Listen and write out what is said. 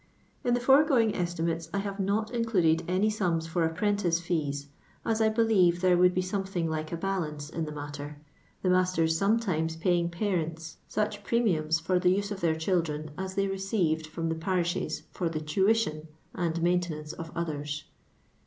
In the foregoing estimates I have not included any sums for apprentice fees, as I believo there would be something like a balance in the matter, the mtuten sometimei paying parents such pre miums] for the use of their cliildran u thej re ceired from the porishei for tlie tuiiion and main tenance of others.